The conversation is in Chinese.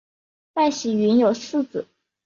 戴喜云有四子。